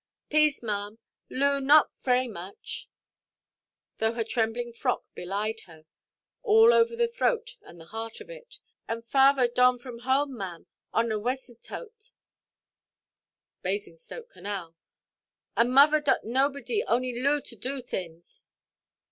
"Pease, maʼam, Loo not fray much,"—though her trembling frock belied her, all over the throat and the heart of it—"and father don from home, maʼam, on the Wasintote" [Basingstoke canal], "and mother dot nobody, onʼy Loo, to do thins.